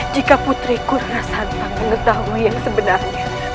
jika putriku larasantang mengetahui yang sebenarnya